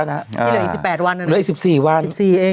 เหลืออีก๑๔วัน